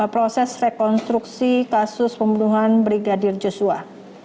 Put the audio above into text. proses rekonstruksi kasus pembunuhan brigadir joshua